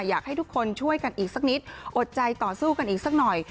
อยากให้ทุกคนช่วยกันอีกสักนิดอดใจต่อสู้กันอีกสักหน่อย